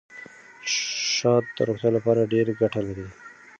شات د روغتیا لپاره ډېره ګټه لري.